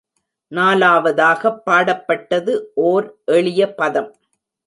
நாலாவதாகப் பாடப்பட்டது ஓர் எளிய பதம்.